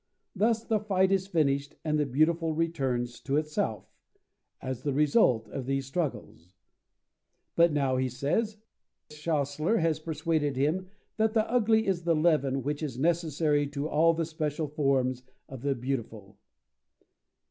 Thus the fight is finished and the Beautiful returns to itself, as the result of these struggles. But now, he says, Schasler has persuaded him that the Ugly is the leaven which is necessary to all the special forms of the Beautiful.